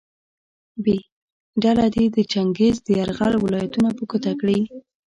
ب ډله دې د چنګیز د یرغل ولایتونه په ګوته کړي.